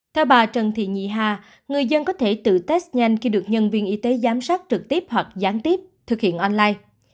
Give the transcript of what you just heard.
theo bà trần thị nhị hà người dân có thể tự test nhanh khi được nhân viên y tế giám sát trực tiếp hoặc gián tiếp thực hiện online